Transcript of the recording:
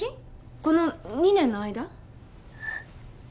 この２年の間？